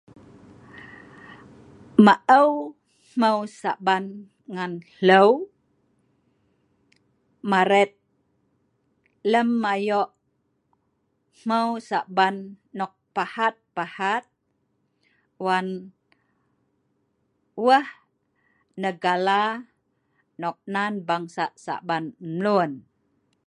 Ma'eu hmeu Saban ngan hlue', maret lem ayo' hmeu Saban nok pahat pahat wan weh negala nok nan bangsa' Saban mluen.